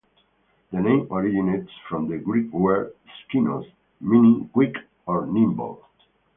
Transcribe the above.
The name originates from the Greek word "skinos", meaning quick or nimble.